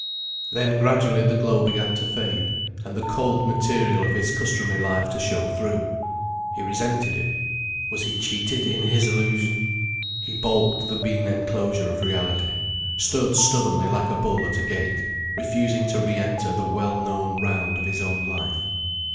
Then gradually the glow began to fade, and the cold material of his customary life to show through. He resented it. Was he cheated in his illusion? He balked the mean enclosure of reality, stood stubbornly like a bull at a gate, refusing to re enter the well known round of his own life.